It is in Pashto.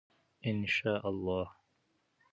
انشاءالله.